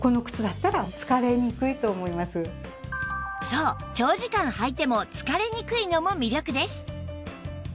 そう長時間履いても疲れにくいのも魅力です